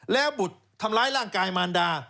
แล้วบุตรทำร้ายร่างกายมารดา